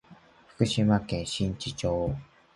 福島県新地町